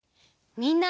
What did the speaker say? みんな！